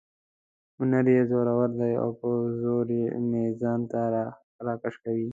هنر یې زورور دی او په زور مې ځان ته را کشوي.